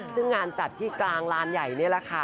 ซึ่งงานจัดที่กลางลานใหญ่นี่แหละค่ะ